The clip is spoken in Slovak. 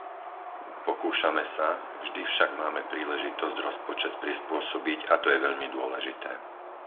Pokúšame sa, vždy však máme príležitosť rozpočet prispôsobiť, a to je veľmi dôležité.